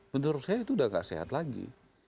menurut saya itu sudah tidak sehat lagi